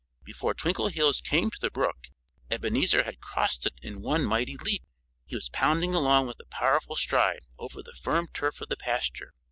Before Twinkleheels came to the brook Ebenezer had crossed it in one mighty leap. He was pounding along with a powerful stride over the firm turf of the pasture.